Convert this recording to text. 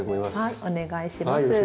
はいお願いします。